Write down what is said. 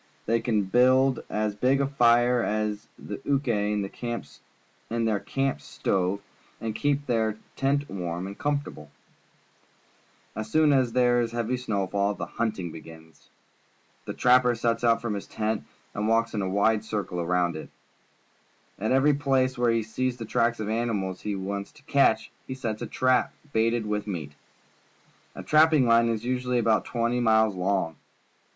They can build as big a fire as they Uke in their camp stove and keep their tent warm and comfortable. 14 PUBLIC SCHOOL GEOGRAPHY As soon as there is a heavy snowfall, the hunting begins. The trapper sets out from his tent and walks in a wide circle around it. At every place where he sees the tracks of the animals he wants to catch, he sets a trap baited with meat. A trapping line is usually about twenty miles long.